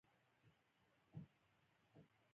تړلی لاس يې ور وښود.